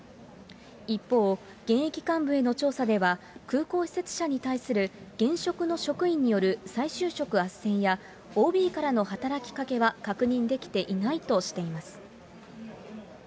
一方、現役幹部への調査では、空港施設社に対する現職の職員による再就職あっせんや、ＯＢからの働きかけは確認できていないとしています。